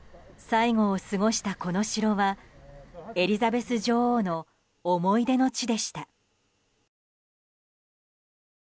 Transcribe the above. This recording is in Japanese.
最期を過ごしたこの城はエリザベス女王の思い出の地でした。